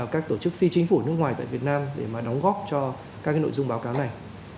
các tổ chức phi chính phủ nước ngoài tại việt nam để đóng góp cho các nội dung báo cáo này